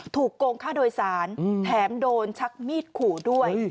โกงค่าโดยสารแถมโดนชักมีดขู่ด้วย